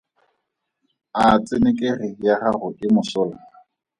A tshenekegi ya gago e mosola?